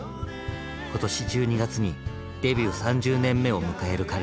今年１２月にデビュー３０年目を迎える彼ら。